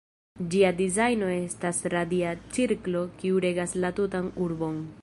Ĝia dizajno estas radia cirklo kiu regas la tutan urbon.